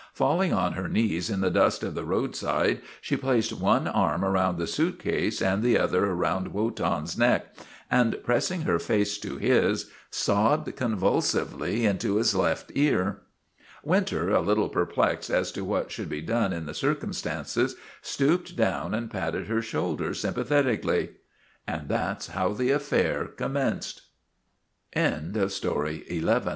Falling on her knees in the dust of the roadside, she placed one arm about the suitcase and the other about Wotan's neck, and pressing her face to his, sobbed convulsively into his left ear. Winter, a little perplexed as to what should be done in the circumstances, stooped down and patted her shoulder sympathetically. And that 's how the affair commenced. THE HOUND OF MY LAD